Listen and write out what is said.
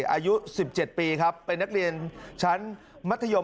อายุ๑๗ปีครับเป็นนักเรียนชั้นมัธยม